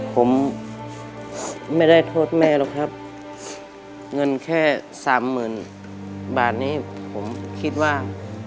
ผมไม่ได้โทษแม่หรอกครับเงินแค่สามหมื่นบาทนี้ผมคิดว่า